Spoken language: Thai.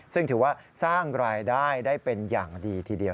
ซึ่งถือว่าสร้างรายได้ได้เป็นอย่างดีทีเดียว